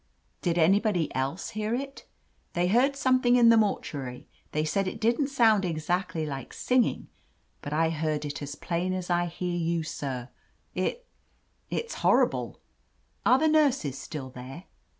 "Did anybody else hear it ?" "They heard something in the mortuary. They said it didn't sound exactly like singing. But I heard it as plain as I hear you, sir. It — it's horrible." "Are the nurses still there